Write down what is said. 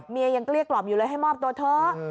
เมียยังก็เรียกกล่อมอยู่เลยให้มอบตัวเถอะ